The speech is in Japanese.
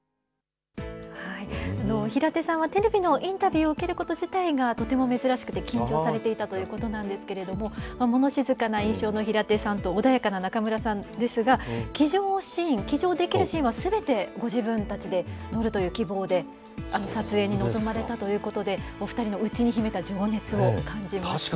平手さんは、テレビのインタビューを受けること自体が、とても珍しくて緊張されていたということなんですけれども、物静かな印象の平手さんと、穏やかな中村さんですが、騎乗シーン、騎乗できるシーンはすべてご自分たちで乗るという希望で、撮影に臨まれたということで、お２人の内に秘めた情熱を感じました。